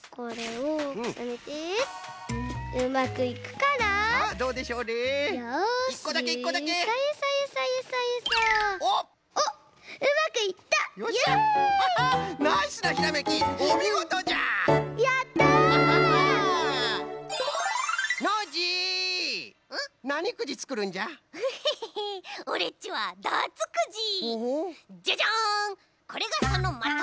これがそのまと！